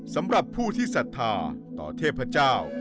สำหรับผู้ทฤษฐาต่อเทพเจ้า